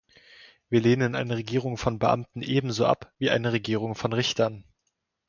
Wir lehnen eine Regierung von Beamten ebenso ab wie eine Regierung von Richtern.